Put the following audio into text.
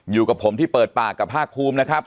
อยู่กับผมที่เปิดปากกับภาคภูมินะครับ